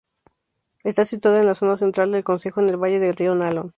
Está situada en la zona central del concejo, en el valle del río Nalón.